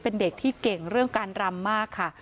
เป็นเด็กที่เก่งเรื่องการรำมากค่ะ